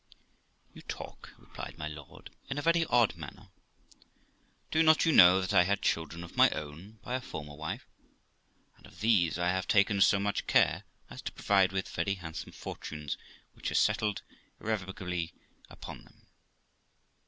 ' You talk ', replied my lord, ' in a very odd manner. Do not you know that I had children of my own by a former wife? and of these I have taken so much care as to provide with very handsome fortunes, which are settled irrevocably upon them.